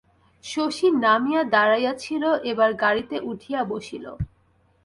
শশী নামিয়া দাড়াইয়াছিল, এবার গাড়িতে উঠিয়া বসিল।